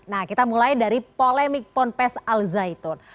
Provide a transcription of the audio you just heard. nah kita mulai dari polemik ponpes al zaitun